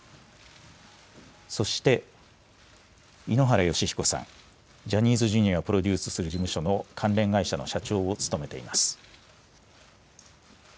そして井ノ原快彦さん、ジャニーズＪｒ．をプロデュースする事務所の関連会社の社長を務めています。